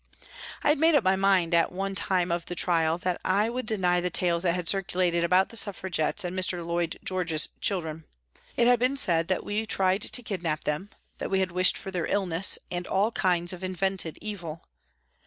I had made up my mind, at one time of the trial, that I would deny the tales that had circulated about the Suffragettes and Mr. Lloyd George's children. It had been said that we tried to kidnap them, that we had wished for their illness, and all kinds of invented evil.